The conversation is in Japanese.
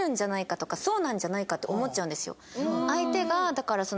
相手がだからその。